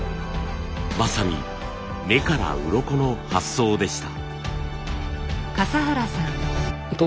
まさに目からウロコの発想でした。